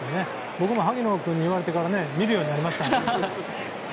僕も萩野君に言われてから見るようになりました。